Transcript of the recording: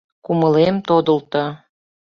— Кумылем тодылто.